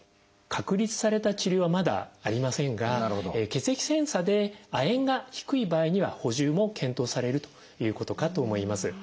確立された治療はまだありませんが血液検査で亜鉛が低い場合には補充も検討されるということかと思います。